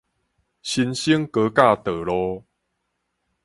新生高架道路